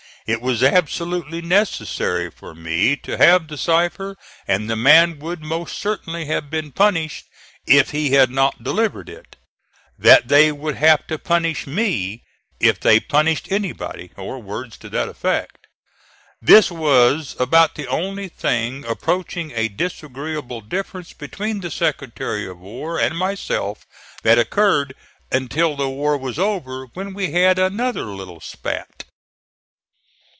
It was absolutely necessary for me to have the cipher, and the man would most certainly have been punished if he had not delivered it; that they would have to punish me if they punished anybody, or words to that effect. This was about the only thing approaching a disagreeable difference between the Secretary of War and myself that occurred until the war was over, when we had another little spat.